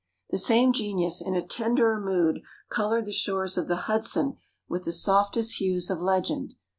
The same genius in a tenderer mood colored the shores of the Hudson with the softest hues of legend.